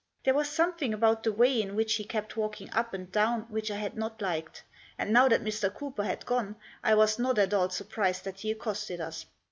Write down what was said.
There was something about the way in which he kept walking up and down which I had not liked, and now that Mr. Cooper had gone I was not at all surprised that he accosted us.